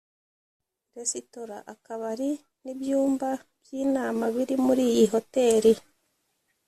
resitora akabari n’ibyumba by’inama biri muri iyi Hotel